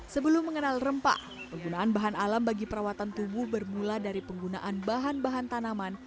sebelum mengenal rempah penggunaan bahan alam bagi perawatan tubuh bermula dari penggunaan bahan bahan tanaman